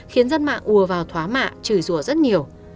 khiến dân mạng ùa vào thoá mạ chửi rùa rất nhiều